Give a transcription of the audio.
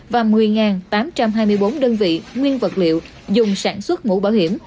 và một mươi tám trăm hai mươi bốn đơn vị nguyên vật liệu dùng sản xuất mũ bảo hiểm